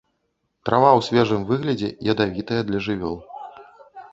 Трава ў свежым выглядзе ядавітая для жывёл.